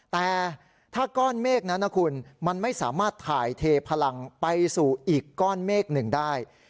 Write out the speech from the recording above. แต่ถ้าก้อนเมฆนั้นนะคุณมันไม่สามารถถ่ายเทพลังไปสู่อีกก้อนเมฆหนึ่งได้